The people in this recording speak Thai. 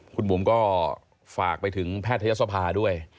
คุณบุ๋มก็ฝากไปถึงแพทยศภาด้วย